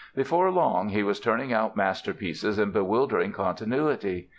Before long he was turning out masterpieces in bewildering continuity.